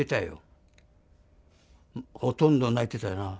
ほとんど泣いてたな。